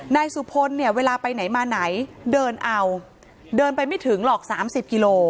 นายสุพลเนี่ยเวลาไปไหนมาไหนเดินเอาเดินไปไม่ถึงหรอก๓๐กิโล